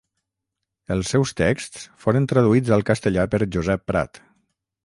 Els seus texts foren traduïts al castellà per Josep Prat.